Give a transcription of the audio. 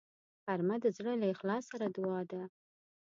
غرمه د زړه له اخلاص سره دعا ده